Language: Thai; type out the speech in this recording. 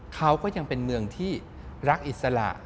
เขาก็ยังเป็นเมืองที่รักอิสระ